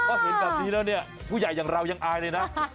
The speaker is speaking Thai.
เพราะเห็นแบบนี้แล้วเนี่ยผู้ใหญ่อย่างเรายังอายเลยนะ